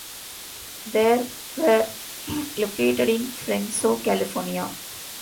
They were located in Fresno, California.